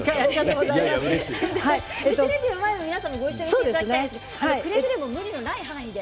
テレビの前の皆さんもごいっしょにしていただきたいんですがくれぐれも無理のない範囲で。